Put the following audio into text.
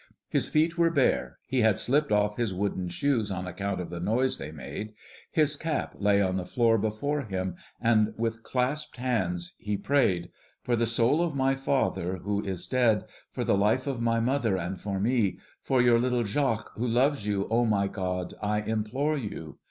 His feet were bare. He had slipped off his wooden shoes on account of the noise they made. His cap lay on the floor before him and with clasped hands he prayed, "For the soul of my father who is dead, for the life of my mother, and for me, for your little Jacques, who loves you, O my God, I implore you!"